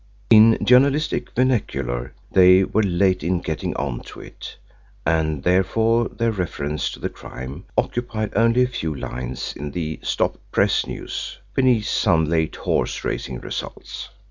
In journalistic vernacular "they were late in getting on to it," and therefore their reference to the crime occupied only a few lines in the "stop press news," beneath some late horse racing results.